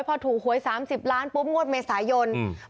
พอถูกหวยสามสิบล้านปุ๊บงวดเมษายนอืม